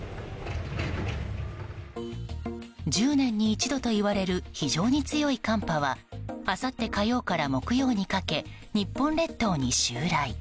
１０年に一度といわれる非常に強い寒波はあさって火曜から木曜にかけ日本列島に襲来。